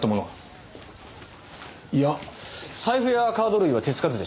財布やカード類は手つかずでした。